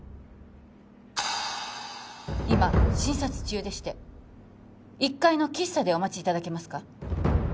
今診察中でして１階の喫茶でお待ちいただけますか？